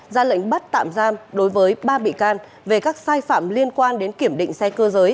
ra lệnh bắt tạm giam đối với ba bị can về các sai phạm liên quan đến kiểm định xe cơ giới